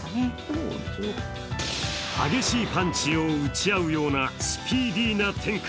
激しいパンチを打ち合うようなスピーディーな展開。